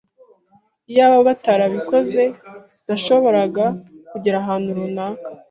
Iyaba batabikoze, nashoboraga kugera ahantu runaka.